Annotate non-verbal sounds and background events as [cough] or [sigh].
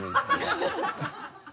ハハハ [laughs]